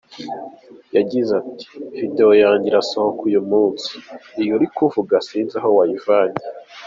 Yagize ati “Video yanjye irasohoka uyu munsi, iyo uri kuvuga sinzi aho wayivanye.